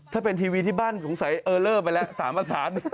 ถ้าเป็นทีวีที่บ้านสงสัยเออเลอร์ไปแล้ว๓ภาษา